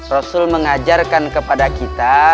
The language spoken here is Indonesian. rasul mengajarkan kepada kita